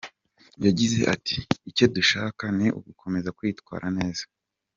Yagize ati “Icyo dushaka ni ugukomeza kwitwara neza.